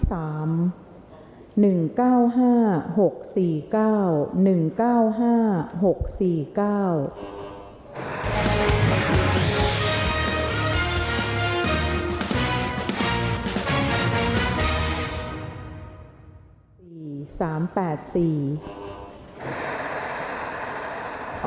ออกรางวัลที่๖เลขที่๗